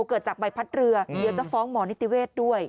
เกิดจากใบพัดเรือเดี๋ยวจะฟ้องหมอนิติเวศด้วย